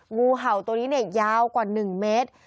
งูเห่าตัวนี้เนี่ยยาวกว่า๑เมตร